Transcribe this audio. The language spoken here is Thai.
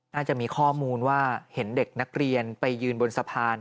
น่าจะมีข้อมูลว่าเห็นเด็กนักเรียนไปยืนบนสะพาน